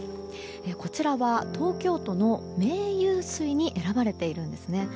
こちらは東京都の名湧水に選ばれているんですね。